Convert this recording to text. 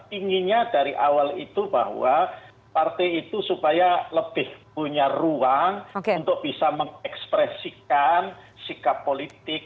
inginnya dari awal itu bahwa partai itu supaya lebih punya ruang untuk bisa mengekspresikan sikap politik